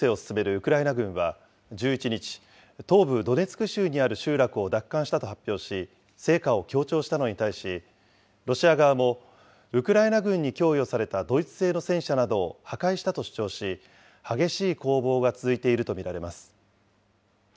ウクライナ軍は１１日、東部ドネツク州にある集落を奪還したと発表し、成果を強調したのに対し、ロシア側もウクライナ軍に供与されたドイツ製の戦車などを破壊したと主張し、激しい攻防が続いていると見られます。